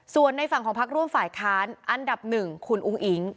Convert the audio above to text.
ส่วนในฝั่งของพักร่วมฝ่ายค้านอันดับหนึ่งคุณอุ้งอิง